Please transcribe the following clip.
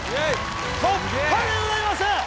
突破でございます